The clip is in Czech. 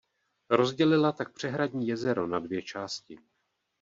Rozdělila tak přehradní jezero na dvě části.